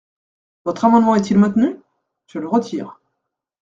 Votre amendement est-il maintenu ? Je le retire.